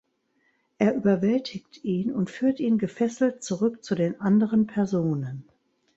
Er überwältigt ihn und führt ihn gefesselt zurück zu den anderen Personen.